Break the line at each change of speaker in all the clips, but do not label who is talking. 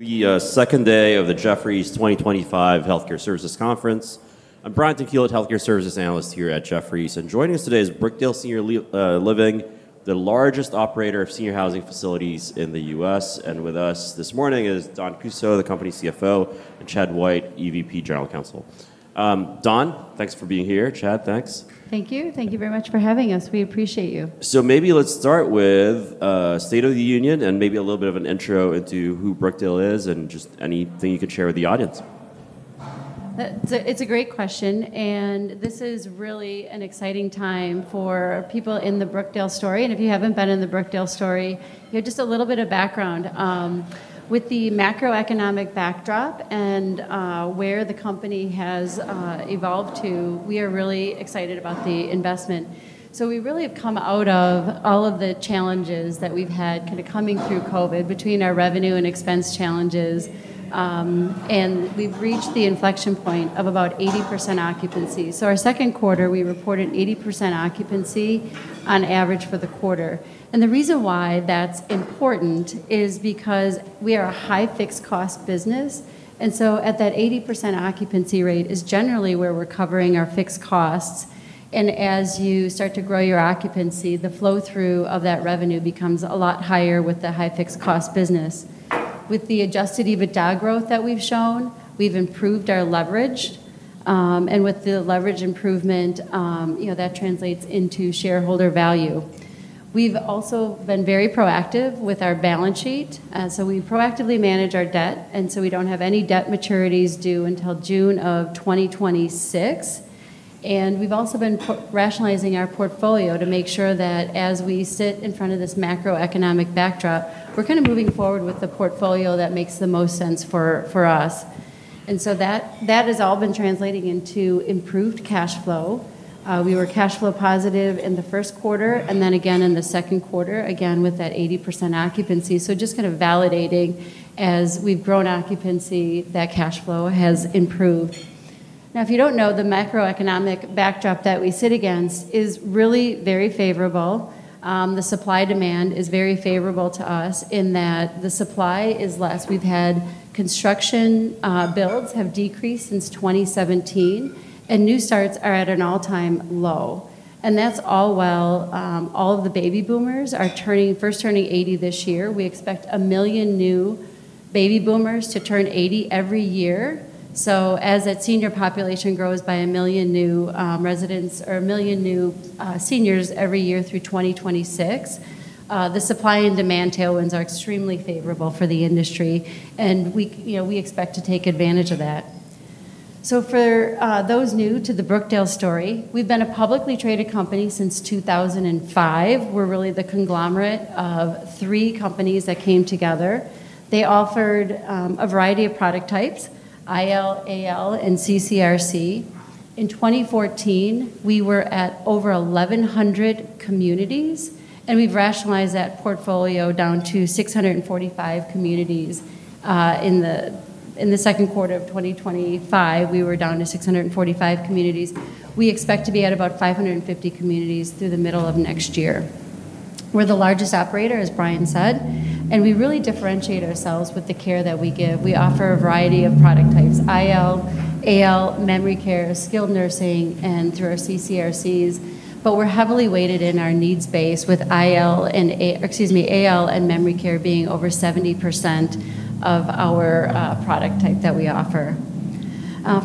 The second day of the Jefferies 2025 Healthcare Services Conference. I'm Brian Tanquilut, Healthcare Services Analyst here at Jefferies. Joining us today is Brookdale Senior Living, the largest operator of senior housing facilities in the United States, and with us this morning is Dawn Kussow, the company's Chief Financial Officer, and Chad White, Executive Vice President and General Counsel. Dawn, thanks for being here. Chad, thanks.
Thank you. Thank you very much for having us. We appreciate you.
Let's start with State of the Union and maybe a little bit of an intro into who Brookdale Senior Living is and just anything you could share with the audience.
It's a great question and this is really an exciting time for people in the Brookdale story. If you haven't been in the Brookdale story, here is just a little bit of background with the macro-economic backdrop and where the company has evolved to. We are really excited about the investment. We really have come out of all of the challenges that we've had coming through COVID between our revenue and expense challenges. We've reached the inflection point of about 80% occupancy. Our second quarter, we reported 80% occupancy on average for the quarter. The reason why that's important is because we are a high fixed-cost business. At that 80% occupancy rate is generally where we're covering our fixed costs. As you start to grow your occupancy, the flow through of that revenue becomes a lot higher. With the high fixed-cost business, with the adjusted EBITDA growth that we've shown, we've improved our leverage. With the leverage improvement that translates into shareholder value, we've also been very proactive with our balance sheet. We proactively manage our debt. We don't have any debt maturities due until June of 2026. We've also been rationalizing our portfolio to make sure that as we sit in front of this macro-economic backdrop, we're moving forward with the portfolio that makes the most sense for us. That has all been translating into improved cash flow. We were cash flow positive in the first quarter and then again in the second quarter with that 80% occupancy. Just kind of validating as we've grown occupancy, that cash flow has improved. If you don't know, the macro-economic backdrop that we sit against is really very favorable. The supply demand is very favorable to us in that the supply is less. We've had construction builds decrease since 2017, and new starts are at an all-time low. That's all while all of the baby boomers are first turning 80 this year. We expect a million new baby boomers to turn 80 every year. As that senior population grows by 1 million new residents or 1 million new seniors every year through 2026, the supply and demand tailwinds are extremely favorable for the industry and we expect to take advantage of that. For those new to the Brookdale story, we've been a publicly-traded company since 2005. We're really the conglomerate of three companies that came together. They offered a variety of product types, IL, AL and, CCRC. In 2014, we were at over 1,100 communities. We've rationalized that portfolio down to 645 communities. In the second quarter of 2025, we were down to 645 communities. We expect to be at about 550 communities through the middle of next year. We're the largest operator, as Brian said, and we really differentiate ourselves with the care that we give. We offer a variety of product types, IL, AL, memory care, skilled nursing, and through our CCRCs. We're heavily weighted in our needs base with IL and, excuse me, AL, and memory care being over 70% of our product type that we offer.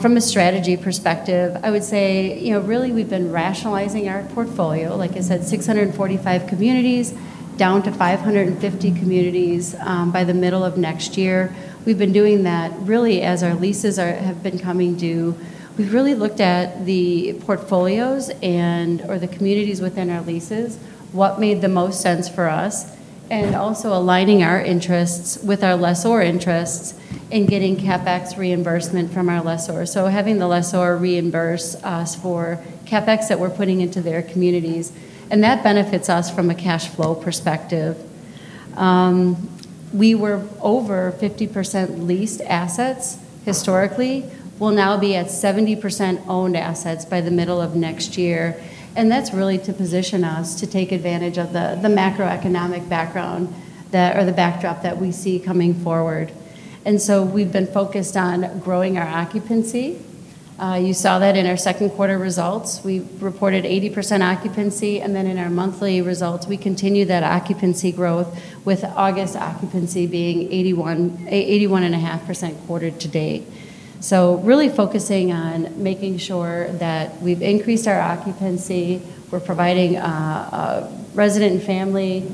From a strategy perspective, I would say, you know, really we've been rationalizing our portfolio, like I said, 645 communities down to 550 communities by the middle of next year. We've been doing that really as our leases have been coming due. We've really looked at the portfolios or the communities within our leases, what made the most sense for us and also aligning our interests with our lessor interests in getting CapEx reimbursement from our lessor. Having the lessor reimburse us for CapEx that we're putting into their communities benefits us from a cash flow perspective. We were over 50% leased assets historically. We'll now be at 70% owned assets by the middle of next year. That's really to position us to take advantage of the macro-economic background or the backdrop that we see coming forward. We've been focused on growing our occupancy. You saw that in our second quarter results, we reported 80% occupancy. In our monthly results, we continue that occupancy growth with August occupancy being 81.5% quarter-to-date. Really focusing on making sure that we've increased our occupancy, we're providing resident and family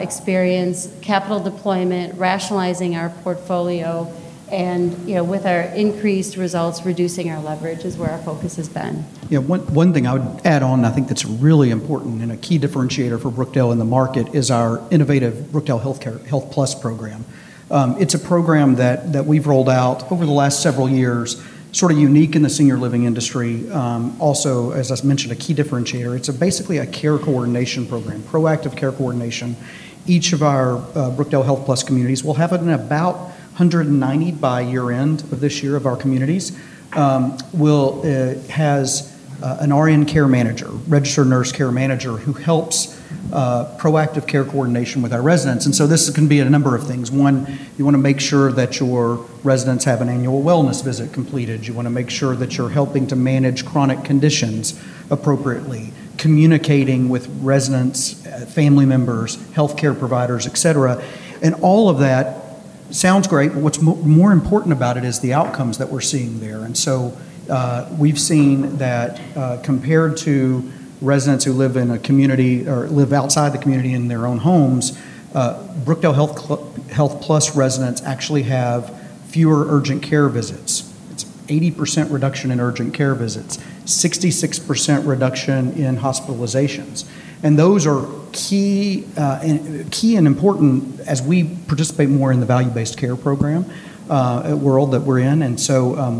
experience, capital deployment, rationalizing our portfolio, and with our increased results, reducing our leverage is where our focus has been.
Yeah, one thing I would add on, I think that's really important and a key differentiator for Brookdale in the market is our innovative Brookdale HealthPlus program. It's a program that we've rolled out over the last several years, sort of unique in the senior living industry. Also, as I mentioned, a key differentiator. It's basically a care coordination program, proactive care coordination. Each of our Brookdale HealthPlus communities will have it in about 190 by year end of this year. Of our communities has an RN care manager, registered nurse care manager who helps proactive care coordination with our residents. This can be a number of things. One, you want to make sure that your residents have an annual wellness visit completed. You want to make sure that you're helping to manage chronic conditions appropriately, communicating with residents, family members, healthcare providers, et cetera. All of that sounds great, but what's more important about it is the outcomes that we're seeing there. We've seen that compared to residents who live in a community or live outside the community in their own homes, Brookdale HealthPlus residents actually have fewer urgent care visits. It's 80% reduction in urgent care visits, 66% reduction in hospitalizations. Those are key and important as we participate more in the value-based care program world that we're in.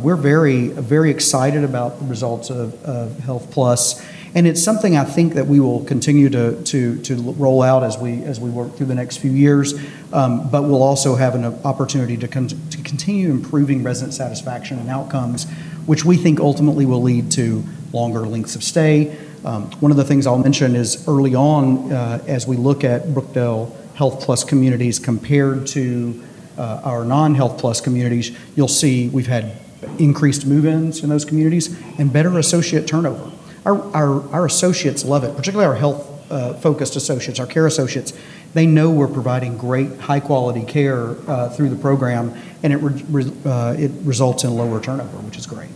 We're very, very excited about the results of HealthPlus. It's something I think that we will continue to roll out as we work through the next few years. We'll also have an opportunity to continue improving resident satisfaction and outcomes, which we think ultimately will lead to longer lengths of stay. One of the things I'll mention is early on, as we look at Brookdale HealthPlus communities compared to our non-HealthPlus communities, you'll see we've had increased move-ins in those communities and better associate turnover. Our associates love it, particularly our health-focused associates, our care associates. They know we're providing great high-quality care through the program and it results in lower turnover, which is great.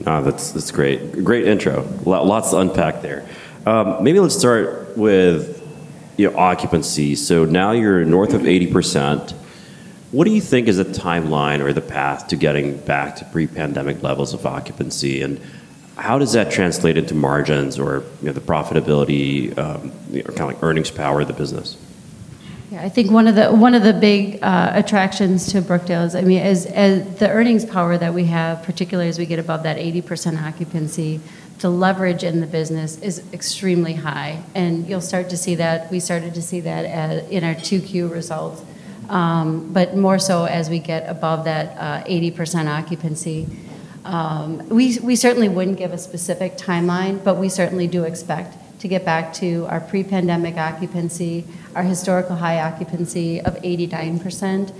That's great, great intro, lots to unpack there. Maybe let's start with occupancy. Now you're north of 80%. What do you think is a timeline or the path to getting back to pre-pandemic levels of occupancy, and how does that translate into margins or the profitability or kind of like earnings power of the business.
Yeah, I think one of the big attractions to Brookdale is, I mean, the earnings power that we have, particularly as we get above that 80% occupancy. The leverage in the business is extremely high and you'll start to see that. We started to see that in our 2Q results, but more so as we get above that 80% occupancy. We certainly wouldn't give a specific timeline, but we certainly do expect to get back to our pre-pandemic occupancy, our historical high occupancy of 89%.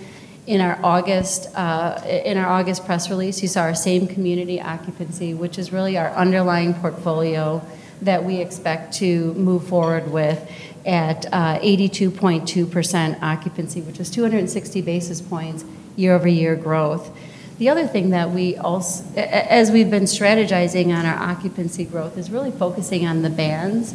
In our August press release, you saw our same community occupancy, which is really our underlying portfolio that we expect to move forward with at 82.2% occupancy, which is 260 basis points year-over-year growth. The other thing that we also, as we've been strategizing on our occupancy growth, is really focusing on the bands.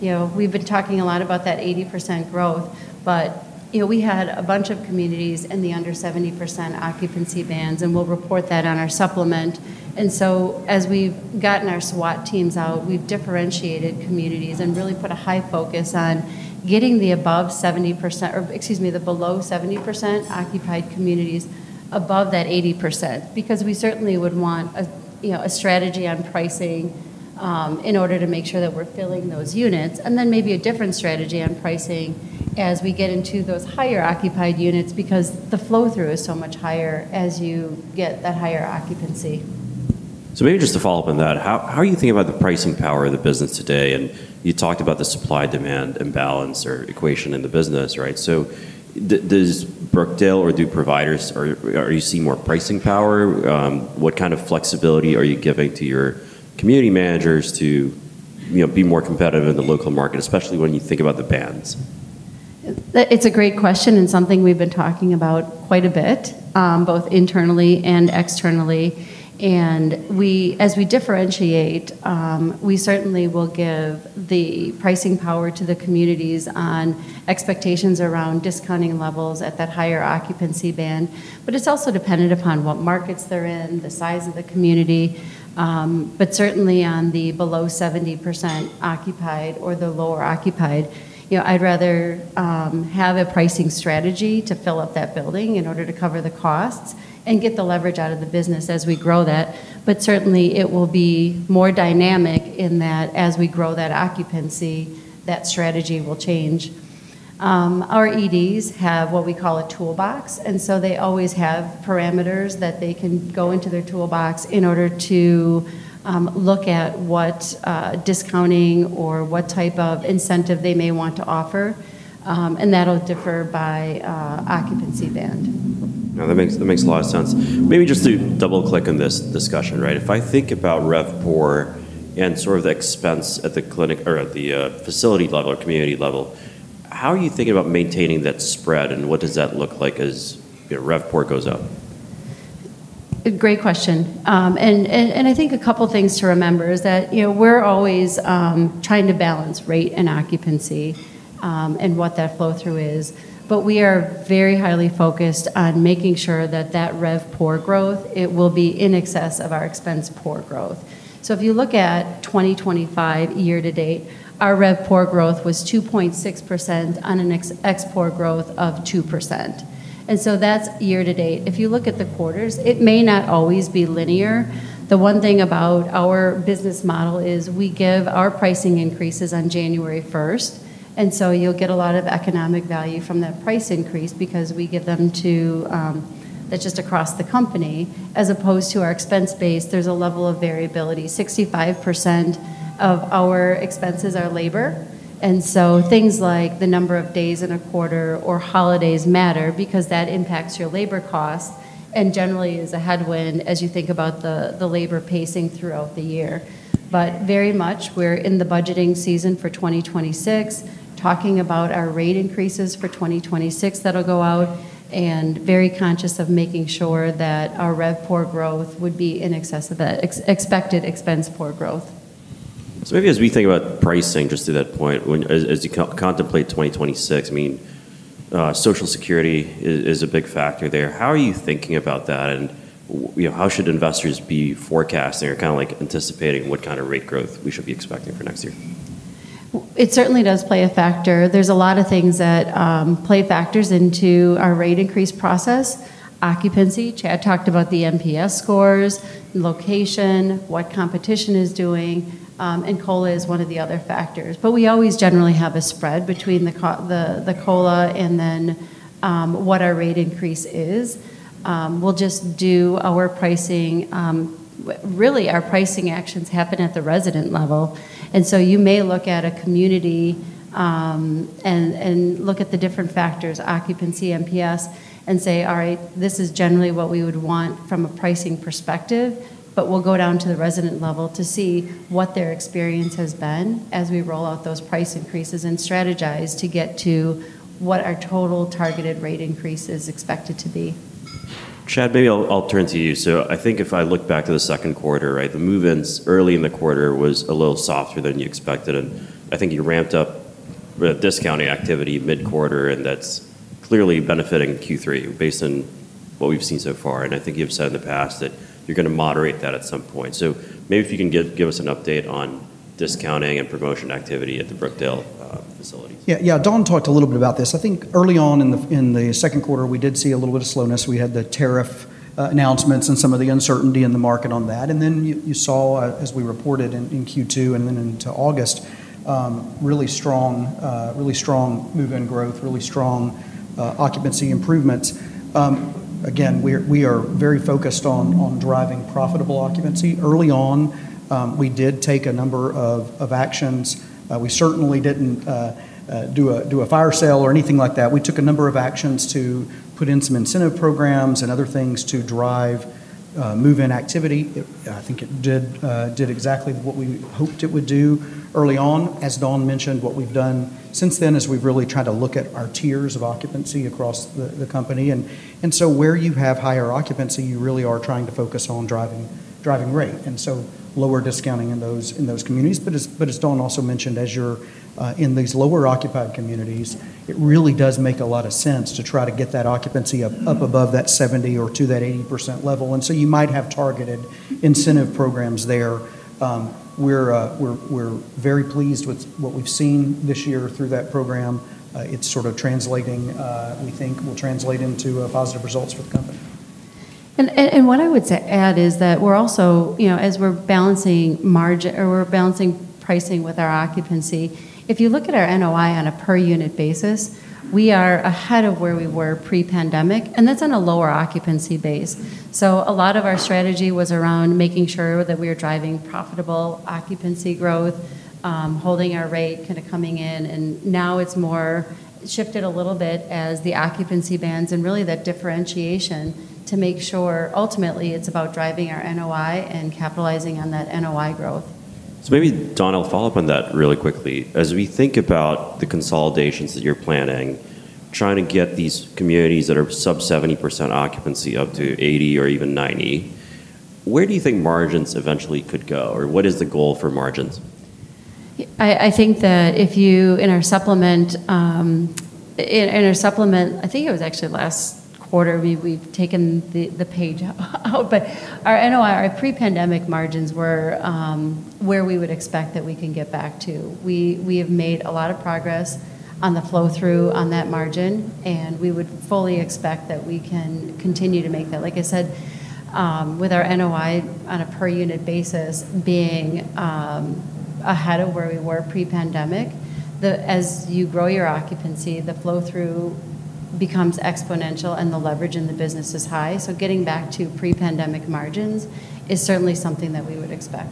We've been talking a lot about that 80% growth, but we had a bunch of communities in the under 70% occupancy bands and we'll report that on our supplement. As we've gotten our SWAT teams out, we've differentiated communities and really put a high focus on getting the below 70% occupied communities above that 80%. We certainly would want a strategy on pricing in order to make sure that we're filling those units and then maybe a different strategy on pricing as we get into those higher occupied units because the flow through is so much higher as you get that higher occupancy.
Maybe just to follow up on that, how are you thinking about the pricing power of the business today? You talked about the supply, demand, imbalance or equation in the business. Right. Does Brookdale or do providers, are you seeing more pricing power? What kind of flexibility are you giving to your community managers to be more competitive in the local market, especially when you think about the occupancy bands?
It's a great question and something we've been talking about quite a bit both internally and externally. As we differentiate, we certainly will give the pricing power to the communities on expectations around discounting levels at that higher occupancy band. It's also dependent upon what markets they're in and the size of the community, but certainly on the below 70% occupied or the lower occupied, I'd rather have a pricing strategy to fill up that building in order to cover the costs and get the leverage out of the business as we grow that. It will be more dynamic in that as we grow that occupancy, that strategy will change. Our EDs have what we call a toolbox, so they always have parameters that they can go into their toolbox in order to look at what discounting or what type of incentive they may want to offer. That'll differ by occupancy band.
That makes a lot of sense. Maybe just to double click on this discussion, right, if I think about RevPOR and sort of the expense at the clinic or at the facility level or community level, how are you thinking about maintaining that spread and what does that look like as RevPOR goes up?
Great question. I think a couple things to remember is that we're always trying to balance rate and occupancy and what that flow through is. We are very highly focused on making sure that that RevPOR growth will be in excess of our expense per growth. If you look at 2025 year-to-date, our RevPOR growth was 2.6% on an expense per growth of 2%. That's year-to-date. If you look at the quarters, it may not always be linear. The one thing about our business model is we give our pricing increases on January 1st. You'll get a lot of economic value from that price increase because we give them to, that's just across the company as opposed to our expense base. There's a level of variability. 65% of our expenses are labor, and things like the number of days in a quarter or holidays matter because that impacts your labor costs and generally is a headwind as you think about the labor pacing throughout the year. We are in the budgeting season for 2026 talking about our rate increases for 2026 that'll go out and very conscious of making sure that our RevPOR growth would be in excess of that expected expense per growth.
As we think about pricing just to that point, when as you contemplate 2026, I mean, Social Security is a big factor there. How are you thinking about that? You know, how should investors be forecasting or kind of like anticipating what kind of rate growth we should be expecting for next year.
It certainly does play a factor. There are a lot of things that play factors into our rate increase process: occupancy, Chad talked about the NPS scores, location, what competition is doing, and COLA is one of the other factors. We always generally have a spread between the COLA and then what our rate increase is. We just do our pricing, really. Our pricing actions happen at the resident level. You may look at a community and look at the different factors, occupancy, net promoter score, and say, all right, this is generally what we would want from a pricing perspective, but we will go down to the resident level to see what their experience has been as we roll out those price increases and strategize to get to what our total targeted rate increase is expected to be.
Chad, maybe I'll turn to you. I think if I look back to the second quarter, the move-ins early in the quarter were a little softer than you expected. I think you ramped up discounting activity mid-quarter, and that's clearly benefiting Q3 based on what we've seen so far. I think you've said in the past that you're going to moderate that at some point. Maybe if you can give us an update on discounting and promotion activity at the Brookdale facility.
Yeah, yeah. Dawn talked a little bit about this. I think early on in the second quarter we did see a little bit of slowness. We had the tariff announcements and some of the uncertainty in the market on that. You saw as we reported in Q2 and then into August, really strong, really strong move in growth, really strong occupancy improvements. We are very focused on driving profitable occupancy. Early on we did take a number of actions. We certainly didn't do a fire sale or anything like that. We took a number of actions to put in some incentive programs and other things to drive move-in activity. I think it did exactly what we hoped it would do early on. As Dawn mentioned, what we've done since then is we've really tried to look at our tiers of occupancy across the company. Where you have higher occupancy, you really are trying to focus on driving rate and lower discounting in those communities. As Dawn also mentioned, as you're in these lower occupied communities, it really does make a lot of sense to try to get that occupancy up above that 70% or to that 80% level. You might have targeted incentive programs there. We're very pleased with what we've seen this year through that program. It's sort of translating, we think will translate into positive results for the company.
What I would add is that we're also, you know, as we're balancing margin or we're balancing pricing with our occupancy. If you look at our NOI on a per unit basis, we are ahead of where we were pre-pandemic, and that's on a lower occupancy base. A lot of our strategy was around making sure that we were driving profitable occupancy growth, holding our rate kind of coming in, and now it's more shifted a little bit as the occupancy bands and really that differentiation to make sure ultimately it's about driving our NOI and capitalizing on that NOI growth.
Maybe Dawn, I'll follow up on that really quickly as we think about the consolidations that you're planning, trying to get these communities that are sub 70% occupancy up to 80% or even 90%. Where do you think margins eventually could go, or what is the goal for margins?
I think that if you look in our supplement, I think it was actually last quarter we've taken the page out, but our NOI pre-pandemic margins were where we would expect that we can get back to. We have made a lot of progress on the flow through on that margin, and we would fully expect that we can continue to make that. Like I said, with our NOI on a per unit basis being ahead of where we were pre-pandemic, as you grow your occupancy, the flow through becomes exponential and the leverage in the business is high. Getting back to pre-pandemic margins is certainly something that we would expect.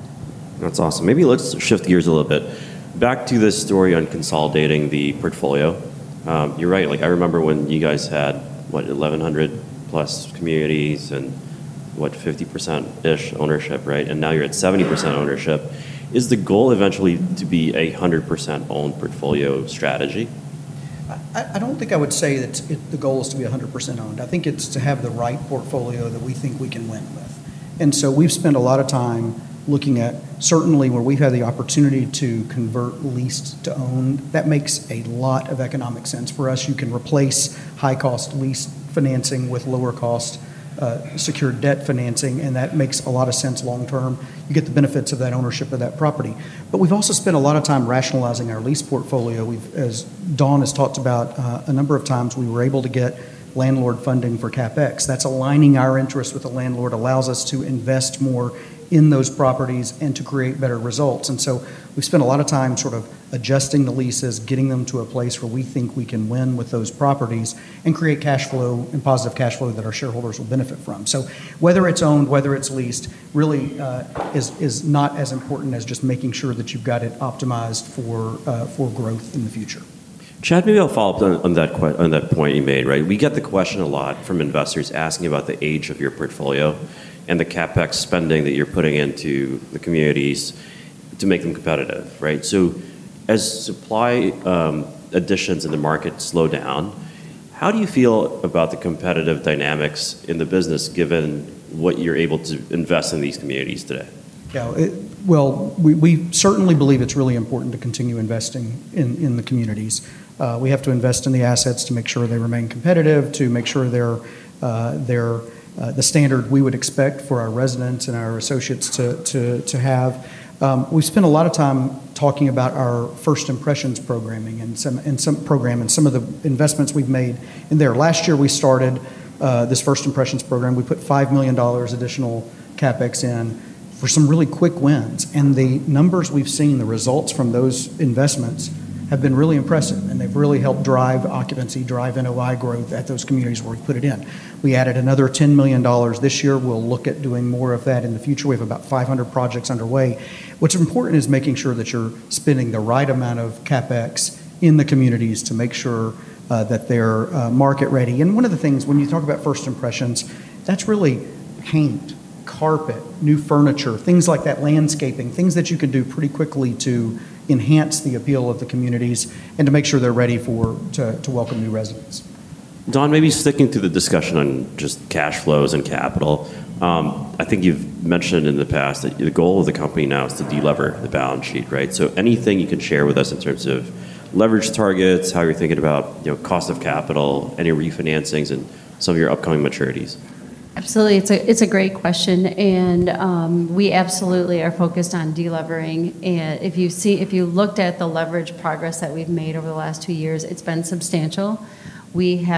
That's awesome. Maybe let's shift gears a little bit back to this story on consolidating the portfolio. You're right. I remember when you guys had, what, 1,100+ communities and, what, 50% ownership, right? Now you're at 70% ownership. Is the goal eventually to be a 100% owned portfolio strategy?
I don't think I would say that the goal is to be 100% owned. I think it's to have the right portfolio that we think we can win with. We've spent a lot of time looking at certainly where we've had the opportunity to convert leased to owned. That makes a lot of economic sense for us. You can replace high-cost leased financing with lower-cost secured debt financing, and that makes a lot of sense. Long term, you get the benefits of that ownership of that property. We've also spent a lot of time rationalizing our lease portfolio. As Dawn has talked about a number of times, we were able to get landlord funding for CapEx. That's aligning our interests with the landlord, allows us to invest more in those properties, and to create better results. We've spent a lot of time adjusting the leases, getting them to a place where we think we can win with those properties and create cash flow and positive cash flow that our shareholders will benefit. Whether it's owned or leased really is not as important as just making sure that you've got it optimized for growth in the future.
Chad, maybe I'll follow up on that point you made. We get the question a lot from investors asking about the age of your portfolio and the CapEx spending that you're putting into the communities to make them competitive. As supply additions in the market slow down, how do you feel about the competitive dynamics in the business given what you're able to invest in these communities today?
It is really important to continue investing in the communities. We have to invest in the assets to make sure they remain competitive, to make sure they're the standard we would expect for our residents and our associates to have. We spent a lot of time talking about our First Impressions program and some of the investments we've made in there. Last year we started this First Impressions program. We put $5 million additional CapEx in for some really quick wins. The numbers we've seen, the results from those investments have been really impressive and they've really helped drive occupancy, drive NOI growth at those communities where we've put it in. We added another $10 million this year. We'll look at doing more of that in the future. We have about 500 projects underway. What's important is making sure that you're spending the right amount of CapEx in the communities to make sure that they're market ready. One of the things when you talk about First Impressions, that's really paint, carpet, new furniture, things like that, landscaping, things that you could do pretty quickly to enhance the appeal of the communities and to make sure they're ready to welcome new residents.
Dawn, maybe sticking to the discussion on just cash flows and capital. I think you've mentioned in the past that the goal of the company now is to deleverage the balance sheet. Right. Anything you can share with us in terms of leverage targets, how you're thinking about cost of capital, any refinancings, and some of your upcoming maturities.
Absolutely. It's a great question and we absolutely are focused on delevering. If you looked at the leverage progress that we've made over the last two years, it's been substantial. With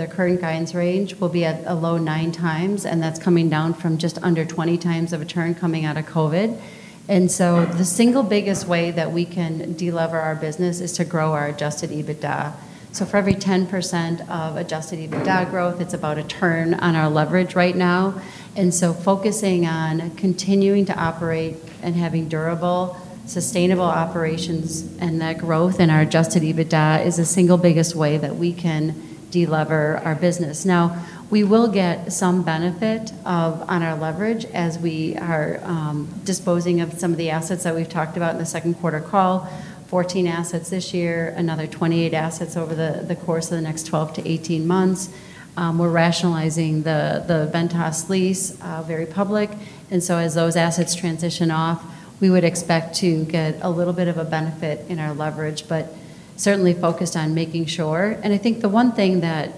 our current guidance range, we'll be at a low 9x, and that's coming down from just under 20x of a turn coming out of COVID. The single biggest way that we can delever our business is to grow our adjusted EBITDA. For every 10% of adjusted EBITDA growth, it's about a turn on our leverage right now. Focusing on continuing to operate and having durable, sustainable operations and that growth in our adjusted EBITDA is the single biggest way that we can delever our business. We will get some benefit on our leverage as we are disposing of some of the assets that we've talked about in the second quarter. Call it 14 assets this year, another 28 assets over the course of the next 12-18 months. We're rationalizing the Ventas lease, very public. As those assets transition off, we would expect to get a little bit of a benefit in our leverage, but certainly focused on making sure. I think the one thing that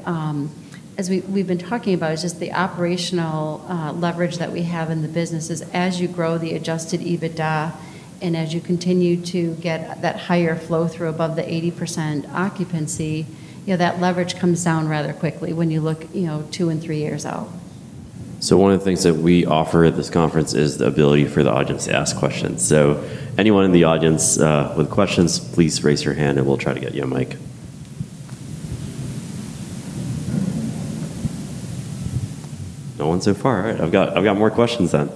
as we've been talking about is just the operational leverage that we have in the business. As you grow the adjusted EBITDA and as you continue to get that higher flow through above the 80% occupancy, that leverage comes down rather quickly when you look two and three years out.
One of the things that we offer at this conference is the ability for the audience to ask questions. Anyone in the audience with questions, please raise your hand and we'll try to get you a mic. No one so far. All right, I've got more questions then.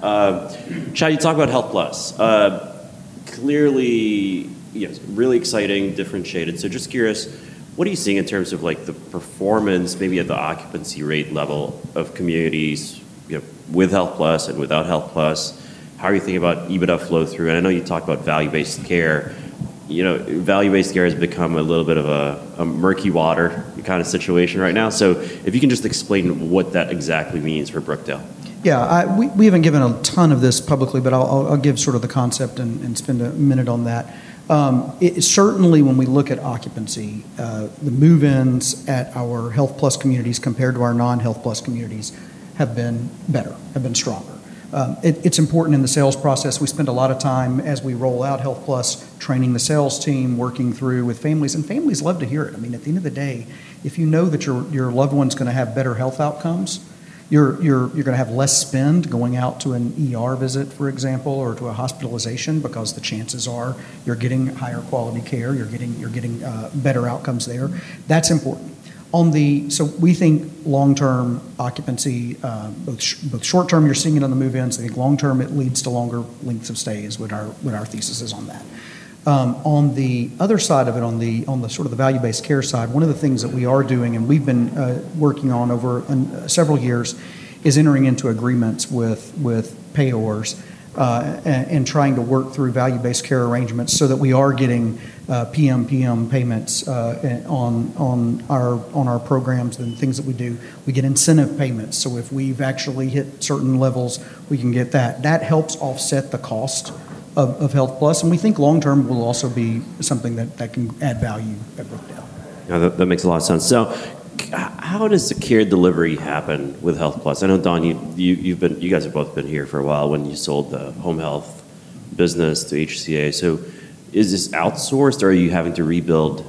Chad, you talk about HealthPlus, clearly. Yes, really exciting, differentiated. Just curious, what are you seeing in terms of the performance, maybe at the occupancy rate level, of communities with Brookdale HealthPlus and without Brookdale HealthPlus? How are you thinking about EBITDA flow through? I know you talked about value-based care. Value-based care has become a little bit of a murky water kind of situation right now. If you can just explain what that exactly means for Brookdale.
Yeah, we haven't given a ton of this publicly, but I'll give sort of the concept and spend a minute on that. Certainly, when we look at occupancy, the move-ins at our HealthPlus communities compared to our non-HealthPlus communities have been better, have been stronger. It's important in the sales process. We spend a lot of time as we roll out HealthPlus training the sales team, working through with families, and families love to hear it. I mean, at the end of the day, if you know that your loved one's going to have better health outcomes, you're going to have less spend going out to an ER visit, for example, or to a hospitalization because the chances are you're getting higher quality care, you're getting better outcomes there. That's important. We think long-term occupancy, both short term, you're seeing it on the move-ins. I think long term it leads to longer lengths of stay is what our thesis is on that. On the other side of it, on the value-based care side, one of the things that we are doing and we've been working on over several years is entering into agreements with payors and trying to work through value-based care arrangements so that we are getting PMPM payments on our programs and things that we do, we get incentive payments. If we've actually hit certain levels, we can get that, that helps offset the cost of HealthPlus. We think long term will also be something that can add value at Brookdale.
That makes a lot of sense. How does secured delivery happen with HealthPlus? I know, Dawn, you have both been here for a while when you sold the home-health business to HCA. Is this outsourced or are you having to rebuild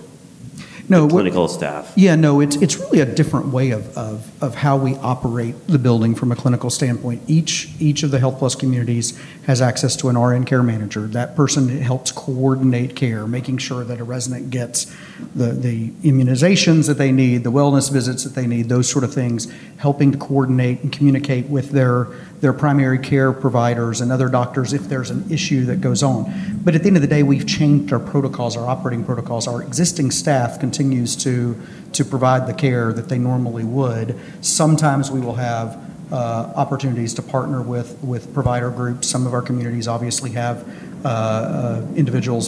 clinical staff?
Yeah, no, it's really a different way of how we operate the building from a clinical standpoint. Each of the HealthPlus communities has access to an RN care manager. That person helps coordinate care, making sure that a resident gets the immunizations that they need, the wellness visits that they need, those sort of things, helping to coordinate and communicate with their primary care providers and other doctors if there's an issue that goes on. At the end of the day, we've changed our protocols, our operating protocols. Our existing staff continues to provide the care that they normally would. Sometimes we will have opportunities to partner with provider groups. Some of our communities obviously have individual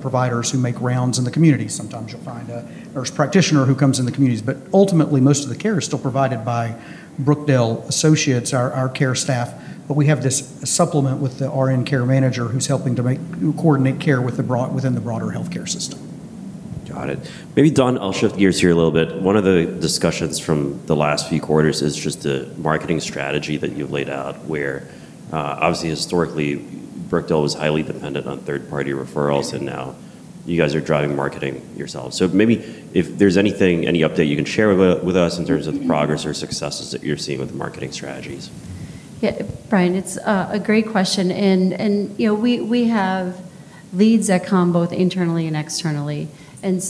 providers who make rounds in the community. Sometimes you'll find a nurse practitioner who comes in the communities. Ultimately, most of the care is still provided by Brookdale Associates, our care staff. We have this supplement with the RN care manager who's helping to coordinate care within the broader healthcare system.
Got it. Maybe, Dawn, I'll shift gears here a little bit. One of the discussions from the last few quarters is just a marketing strategy that you've laid out where obviously historically Brookdale was highly dependent on third party referrals. Now you guys are driving marketing yourselves. If there's anything, any update you can share with us in terms of the progress or successes that you're seeing with the marketing strategies.
Yeah, Brian, it's a great question. We have leads that come both internally and externally, and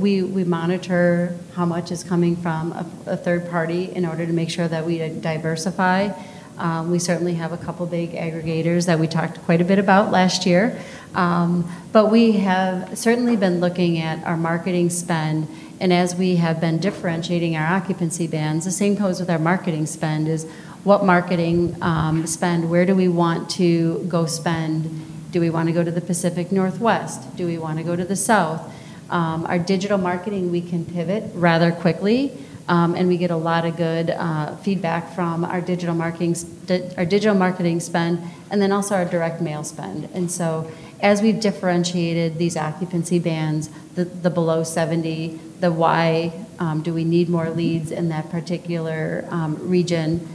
we monitor how much is coming from a third party in order to make sure that we diversify. We certainly have a couple big aggregators that we talked quite a bit about last year. We have certainly been looking at our marketing spend. As we have been differentiating our occupancy bands, the same goes with our marketing spend. Is what marketing spend? Where do we want to go spend? Do we want to go to the Pacific Northwest? Do we want to go to the South? Our digital marketing, we can pivot rather quickly, and we get a lot of good feedback from our digital marketing, our digital marketing spend, and then also our direct mail spend. As we differentiated these occupancy bands, the below 70, the why do we need more leads in that particular region?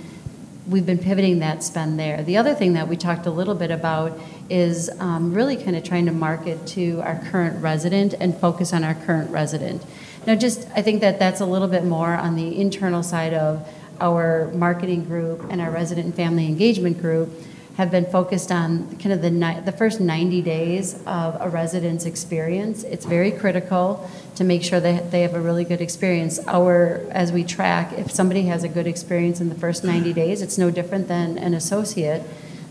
We've been pivoting that spend there. The other thing that we talked a little bit about is really kind of trying to market to our current resident and focus on our current resident. I think that that's a little bit more on the internal side of our marketing group and our resident and family engagement group have been focused on kind of the first 90 days of a resident's experience. It's very critical to make sure that they have a really good experience as we track. If somebody has a good experience in the first 90 days, it's no different than an associate.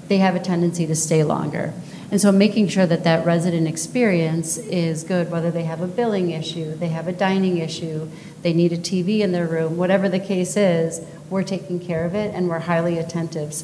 They have a tendency to stay longer. Making sure that that resident experience is good, whether they have a billing issue, they have a dining issue, they need a TV in their room, whatever the case is, we're taking care of it. We're highly attentive.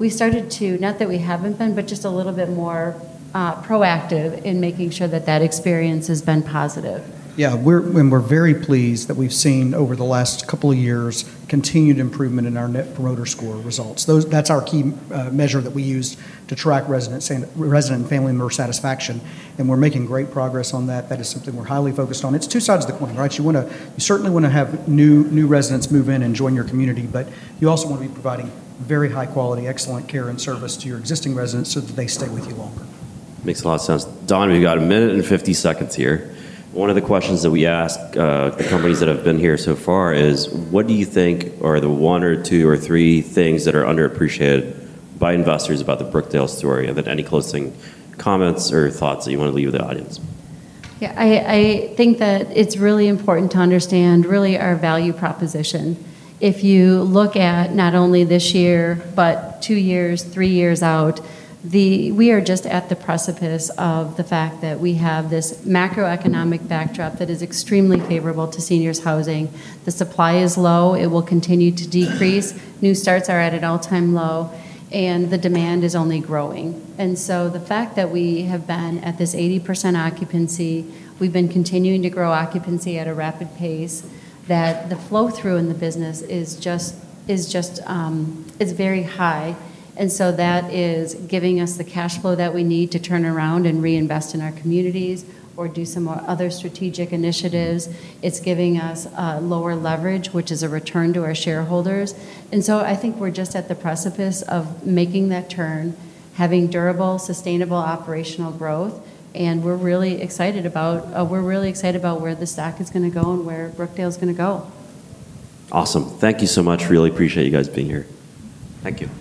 We started to, not that we haven't been, but just a little bit more proactive in making sure that that experience has been positive.
Yeah, we're very pleased that we've seen over the last couple of years continued improvement in our Net Promoter Score results. That's our key measure that we use to track resident and family member satisfaction, and we're making great progress on that. That is something we're highly focused on. It's two sides of the coin, right? You certainly want to have new residents move in and join your community, but you also want to be providing very high quality, excellent care and service to your existing residents so that they stay with you longer.
Makes a lot of sense. Dawn, we've got a minute and fifty seconds here. One of the questions that we ask the companies that have been here so far is what do you think are the one or two or three things that are underappreciated by investors about the Brookdale story? Any closing comments or thoughts that you want to leave the audience?
I think that it's really important to understand really our value proposition. If you look at not only this year, but two years, three years out, we are just at the precipice of the fact that we have this macro-economic backdrop that is extremely favorable to seniors housing. The supply is low, it will continue to decrease. New starts are at an all-time low and the demand is only growing. The fact that we have been at this 80% occupancy, we've been continuing to grow occupancy at a rapid pace, the flow-through in the business is just very high. That is giving us the cash flow that we need to turn around and reinvest in our communities or do some other strategic initiatives. It's giving us lower leverage, which is a return to our shareholders. I think we're just at the precipice of making that turn, having durable, sustainable operational growth. We're really excited about where the stack is going to go and where Brookdale is going to go.
Awesome. Thank you so much. Really appreciate you guys being here. Thank you.